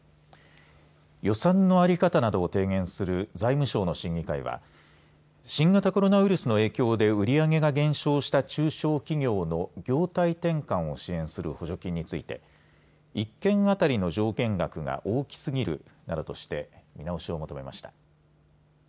予算の在り方などを提言する財務省の審議会は新型コロナウイルスの影響で売り上げが減少した中小企業の業態転換を支援する補助金について１件当たりの上限額が大きすぎるなどとして見直しを求めました。